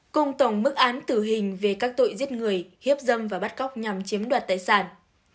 cùng tổng mức án tử hình về các tội giết người hiếp dâm và bắt cóc nhằm chiếm đoạt tài sản